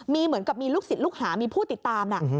มีเหมือนกับมีลูกศิษย์ลูกหามีผู้ติดตาม